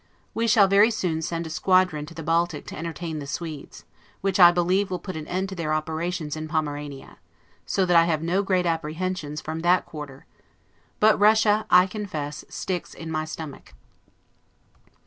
We shall very soon send a squadron to the Baltic to entertain the Swedes; which I believe will put an end to their operations in Pomerania; so that I have no great apprehensions from that quarter; but Russia, I confess, sticks in my stomach.